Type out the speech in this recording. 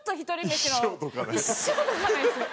一生どかないんですよ。